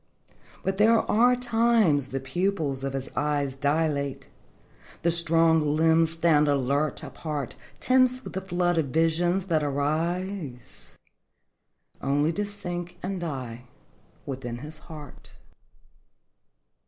But there are times the pupils of his eyes Dilate, the strong limbs stand alert, apart, Tense with the flood of visions that arise Only to sink and die within his heart.